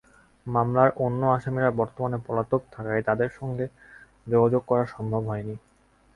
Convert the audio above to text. মামলার অন্য আসামিরা বর্তমানে পলাতক থাকায় তাঁদের সঙ্গে যোগাযোগ করা সম্ভব হয়নি।